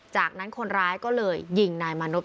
จากนั้นคนร้ายก็เลยยิงนายมานพ